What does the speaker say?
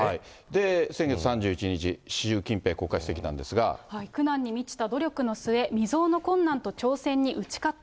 先月３１日、苦難に満ちた努力の末、未曽有の困難と挑戦に打ち勝った。